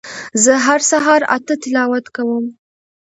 زه هر سهار اته تلاوت کوم